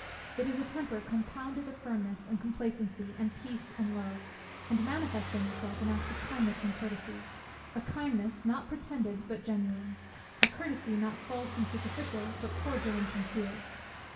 It is a temper compounded of firmness, and complacency, and peace, and love; and manifesting itself in acts of kindness and of courtesy; a kindness, not pretended but genuine; a courtesy, not false and superficial, but cordial and sincere.